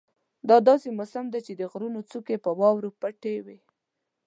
دا داسې موسم وو چې د غرونو څوکې په واورو پټې وې.